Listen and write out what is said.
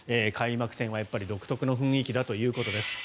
開幕戦は独特の雰囲気だということです。